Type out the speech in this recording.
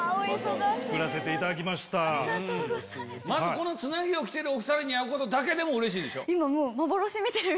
このつなぎを着てるお２人に会うだけでもうれしいでしょ？